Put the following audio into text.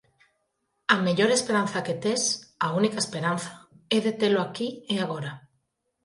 A mellor esperanza que tes, a única esperanza, é detelo aquí e agora.